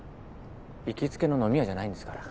行きつけの飲み屋じゃないんですから。